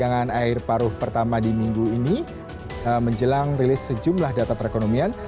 pada saat pengeluaran air paruh pertama di minggu ini menjelang rilis sejumlah data perekonomian